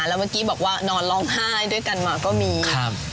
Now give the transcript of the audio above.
แล้วเมื่อกี้บอกว่านอนร้องไห้ด้วยกันมาก็มี